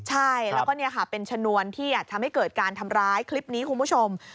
ใช่แล้วก็เป็นชนวนที่อาจทำให้เกิดการทำร้ายคลิปนี้คุณผู้ชม